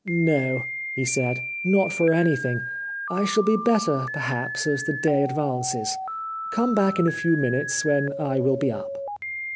*' No," he said; ''not for anything; I shall be better, perhaps, as the day advances. Come back in a few minutes, when I will be up."